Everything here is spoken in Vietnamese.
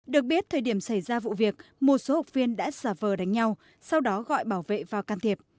được biết thời điểm xảy ra vụ việc một số học viên đã xả vờ đánh nhau sau đó gọi bảo vệ và can thiệp